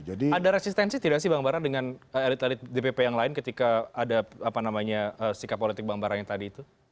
ada resistensi tidak sih bang bara dengan elit elit dpp yang lain ketika ada sikap politik bang bara yang tadi itu